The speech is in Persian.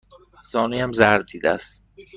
زانویم ضرب دیده است.